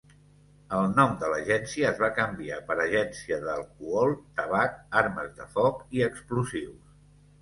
El nom de l'agència es va canviar per Agència d'Alcohol, Tabac, Armes de Foc i Explosius.